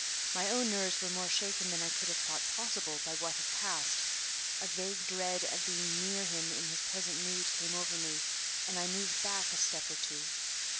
My own nerves were more shaken than I could have thought possible by what had passed. A vague dread of being near him in his present mood came over me, and I moved back a step or two.